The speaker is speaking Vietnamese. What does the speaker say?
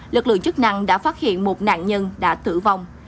lực lượng chức năng đã phát hiện một nạn nhân đã tử vong